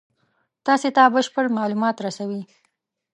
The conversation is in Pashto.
تاسې ته بشپړ مالومات رسوي.